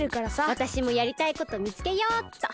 わたしもやりたいことみつけよっと。